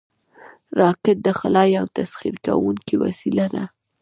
راکټ د خلا یو تسخیر کوونکی وسیله ده